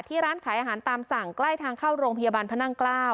ร้านขายอาหารตามสั่งใกล้ทางเข้าโรงพยาบาลพระนั่งเกล้า